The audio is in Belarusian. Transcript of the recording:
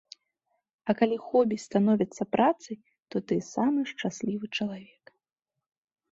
А калі хобі становіцца працай, то ты самы шчаслівы чалавек.